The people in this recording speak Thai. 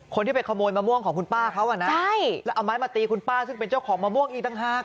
คนที่ไปขโมยมะม่วงของคุณป้าเขาอ่ะนะใช่แล้วเอาไม้มาตีคุณป้าซึ่งเป็นเจ้าของมะม่วงอีกต่างหาก